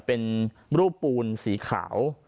เป็นรูปปูนสีขาว